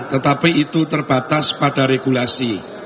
tetapi itu terbatas pada regulasi